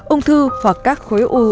ung thư hoặc các khối u